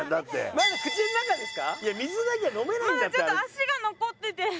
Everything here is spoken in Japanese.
まだちょっと脚が残ってて。